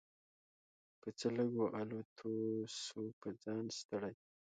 په څه لږو الوتو سو په ځان ستړی